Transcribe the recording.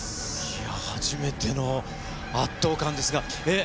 いやぁ、初めての圧倒感ですが。